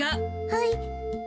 はい。